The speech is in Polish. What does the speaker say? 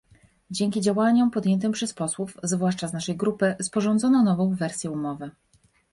Dzięki działaniom podjętym przez posłów, zwłaszcza z naszej grupy, sporządzono nową wersję umowy